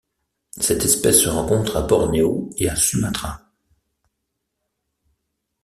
Cette espèce se rencontre à Bornéo et à Sumatra.